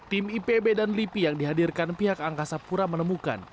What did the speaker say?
tim ipb dan lipi yang dihadirkan pihak angkasa pura menemukan